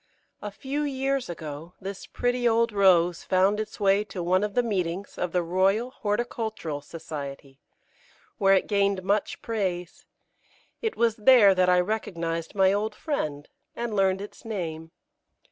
A few years ago this pretty old Rose found its way to one of the meetings of the Royal Horticultural Society, where it gained much praise. It was there that I recognised my old friend, and learned its name.